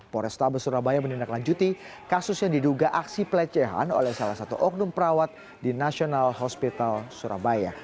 polresta besurabaya menindaklanjuti kasus yang diduga aksi pelecehan oleh salah satu oknum perawat di national hospital surabaya